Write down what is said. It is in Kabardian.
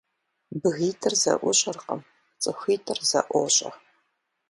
БгитIыр зэIущIэркъым, цIыхуитIыр зэIуощIэ.